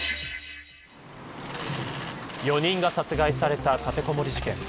４人が殺害された立てこもり事件。